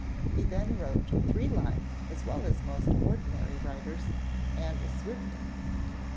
He then wrote three lines as well as most ordinary writers, and as swiftly.